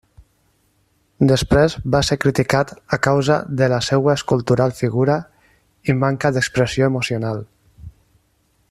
Després, va ser criticat a causa de la seua escultural figura i manca d'expressió emocional.